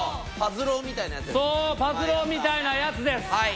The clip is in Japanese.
そうパズ狼みたいなやつです。